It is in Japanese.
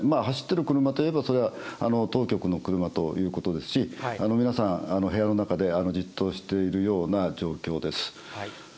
走ってる車というのは、それは当局の車ということですし、皆さん、部屋の中でじっとしているような状況です。